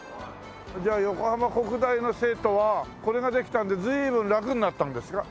じゃあ横浜国大の生徒はこれができたんで随分ラクになったんですか？